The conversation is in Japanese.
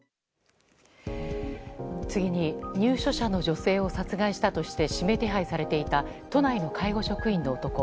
次に入所者の女性を殺害したとして指名手配されていた都内の介護職員の男。